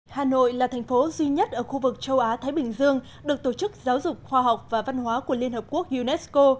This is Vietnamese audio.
hà nội là thành phố duy nhất ở khu vực châu á thái bình dương được tổ chức giáo dục khoa học và văn hóa của liên hợp quốc unesco